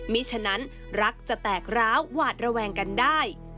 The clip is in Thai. ฉะนั้นรักจะแตกร้าวหวาดระแวงกันได้